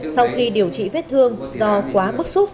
sau khi điều trị vết thương do quá bức xúc